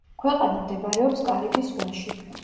ქვეყანა მდებარეობს კარიბის ზღვაში.